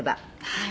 「はい。